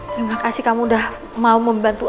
terima kasih kamu udah mau membantu